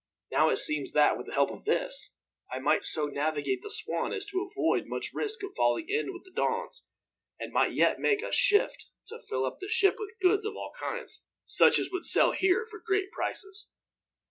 Now it seems that, with the help of this, I might so navigate the Swan as to avoid much risk of falling in with the Dons; and might yet make a shift to fill up the ship with goods of all kinds, such as would sell here for great prices.